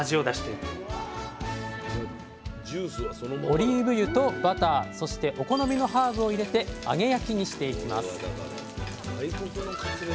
オリーブ油とバターそしてお好みのハーブを入れて揚げ焼きにしていきます